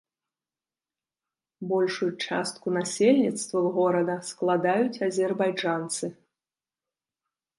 Большую частку насельніцтва горада складаюць азербайджанцы.